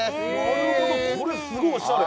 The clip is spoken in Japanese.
なるほどこれすごいおしゃれ